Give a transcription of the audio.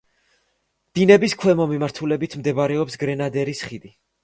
დინების ქვემო მიმართულებით მდებარეობს გრენადერის ხიდი.